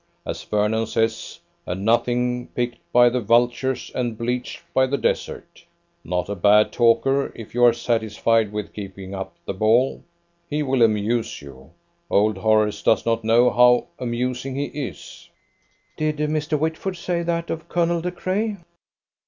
As Vernon says, 'a nothing picked by the vultures and bleached by the desert'. Not a bad talker, if you are satisfied with keeping up the ball. He will amuse you. Old Horace does not know how amusing he is!" "Did Mr. Whitford say that of Colonel De Craye?"